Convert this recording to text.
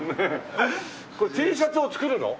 これＴシャツを作るの？